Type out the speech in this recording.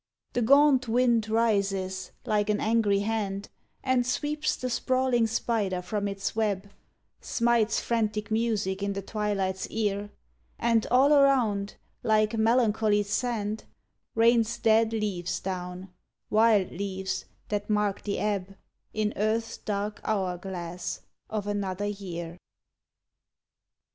The gaunt wind rises, like an angry hand, And sweeps the sprawling spider from its web, Smites frantic music in the twilight's ear; And all around, like melancholy sand, Rains dead leaves down wild leaves, that mark the ebb, In Earth's dark hour glass, of another year.